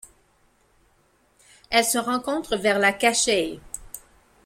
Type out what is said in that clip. Elle se rencontre vers la Caschei.